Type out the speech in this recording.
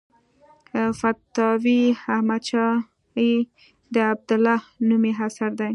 فتاوی احمدشاهي د عبدالله نومي اثر دی.